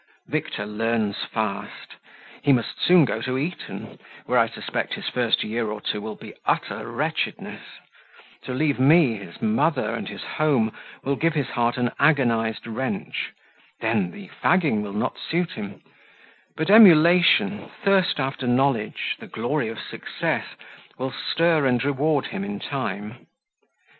Victor learns fast. He must soon go to Eton, where, I suspect, his first year or two will be utter wretchedness: to leave me, his mother, and his home, will give his heart an agonized wrench; then, the fagging will not suit him but emulation, thirst after knowledge, the glory of success, will stir and reward him in time.